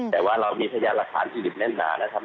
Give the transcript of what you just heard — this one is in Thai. แต่ว่าเรามีทะเย้าระคารที่หลิบแน่นหนานะครับ